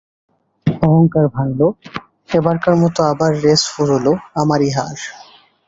অহংকার ভাঙল–এবারকার মতো আমার রেস ফুরোল, আমারই হার।